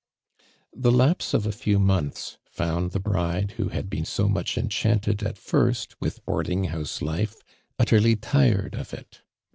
The lapse of a few months found the bride who had been so much enchanted at first, with boarding house life, utterly tired of it.